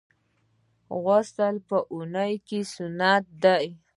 غسل په اونۍ کي سنت دی.